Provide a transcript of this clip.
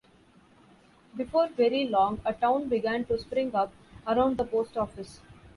Before very long a town began to spring up around the post office.